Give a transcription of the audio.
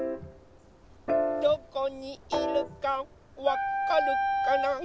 どこにいるかわかるかな？